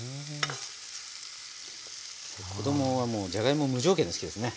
子供はもうじゃがいも無条件で好きですね。